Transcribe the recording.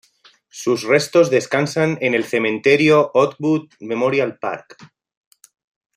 Sus restos descansan en el Cementerio Oakwood Memorial Park.